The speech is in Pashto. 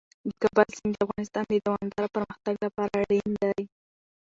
د کابل سیند د افغانستان د دوامداره پرمختګ لپاره اړین دي.